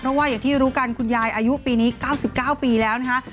เพราะว่าอย่างที่รู้กันคุณยายอายุปีนี้๙๙ปีแล้วนะคะ